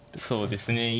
そうですね。